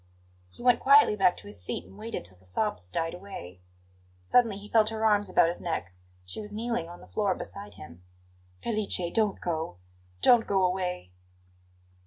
He went quietly back to his seat and waited till the sobs died away. Suddenly he felt her arms about his neck; she was kneeling on the floor beside him. "Felice don't go! Don't go away!"